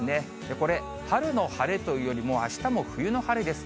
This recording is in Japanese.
これ、春の晴れというよりも、あしたも冬の晴れです。